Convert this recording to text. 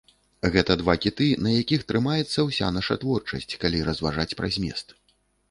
Гэта два кіты, на якіх трымаецца ўся наша творчасць, калі разважаць пра змест.